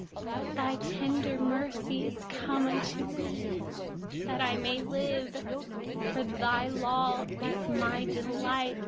77Let your tender mercies come to me, that I may live; for your law is my delight.